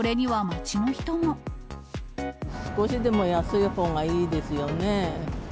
少しでも安いほうがいいですよね。